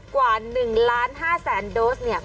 กว่า๑๕๐๐๐๐๐โดสเนี่ย